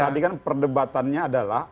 tapi kan perdebatannya adalah